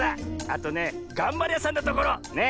あとねがんばりやさんなところ。ね。